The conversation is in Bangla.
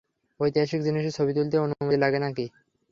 ঐতিহাসিক জিনিসের ছবি তুলতে, অনুমতি লাগে নাকি?